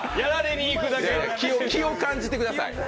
気を感じてください。